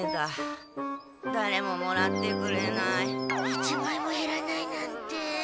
一枚もへらないなんて。